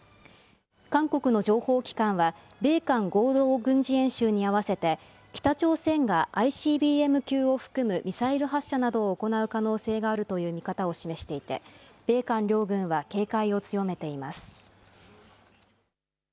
韓国の情報機関は、米韓合同軍事演習に合わせて、北朝鮮がＩＣＢＭ級を含むミサイル発射などを行う可能性があるという見方を示していて、米韓両軍は警戒を強めています。